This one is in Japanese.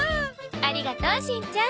ありがとうしんちゃん。